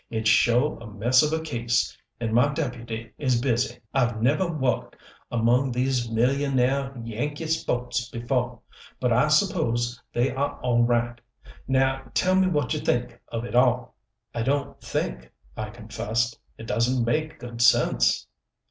"It's sho' a mess of a case and my deputy is busy. I've neveh wo'ked among these millionaih Yankee spo'ts befo', but I suppose they ah all right. Now tell me what you think of it all." "I don't think," I confessed. "It doesn't make good sense."